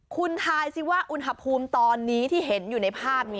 คุณทายสิว่าอุณหภูมิตอนนี้ที่เห็นอยู่ในภาพนี้